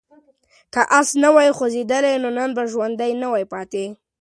که آس نه وای خوځېدلی نو نن به ژوندی نه وای پاتې.